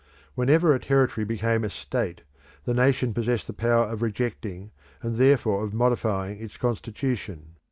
Whenever a territory became a state, the nation possessed the power of rejecting and therefore of modifying its constitution.